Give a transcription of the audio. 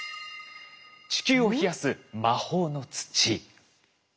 「地球を冷やす魔法の土！」。